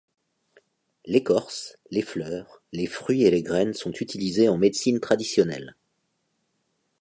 L'écorce, les fleurs, les fruits et les graines sont utilisées en médecine traditionnelle.